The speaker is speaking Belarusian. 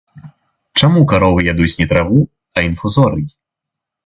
Чаму каровы ядуць, не траву, а інфузорый?